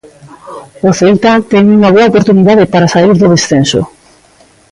O Celta ten unha boa oportunidade para saír do descenso.